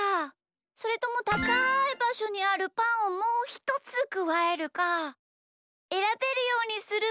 それともたかいばしょにあるパンをもうひとつくわえるかえらべるようにするの。